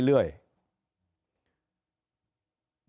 แล้วก็จะมีข่าวอย่างนี้ไปเรื่อย